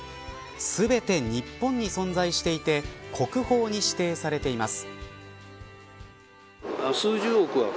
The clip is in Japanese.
全て日本に存在していて国宝に指定されています。